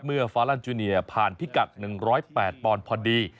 ฟาลันจูเนียผ่านพิกัด๑๐๘ปอนด์พอดี